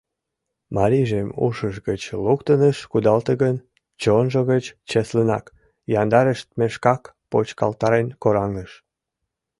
Марийжым ушыж гыч луктын ыш кудалте гын, чонжо гыч чеслынак, яндарештмешкак почкалтарен кораҥдыш...